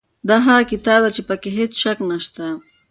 دا هغه کتاب دی چې په کې هیڅ شک نشته.